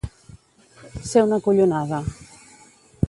Ser una collonada.